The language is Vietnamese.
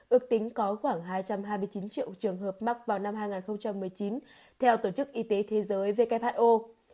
ước tính có khoảng hai trăm hai mươi chín triệu trường hợp mắc vào năm hai nghìn một mươi chín theo tổ chức y tế thế giới who